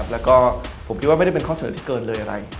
แล้วก็ผมคิดว่าไม่ได้เป็นข้อเสนอที่เกินเลยอะไร